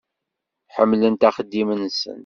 Ḥemmlent axeddim-nsent.